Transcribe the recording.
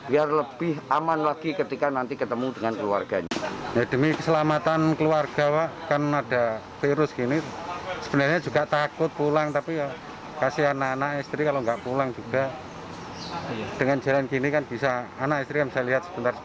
biar lebih aman lagi ketika nanti ketemu dengan keluarganya